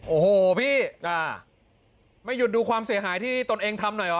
โอ้โหพี่ไม่หยุดดูความเสียหายที่ตนเองทำหน่อยเหรอ